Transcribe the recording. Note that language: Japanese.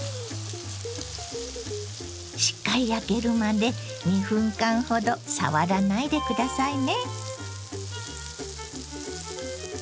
しっかり焼けるまで２分間ほど触らないで下さいね。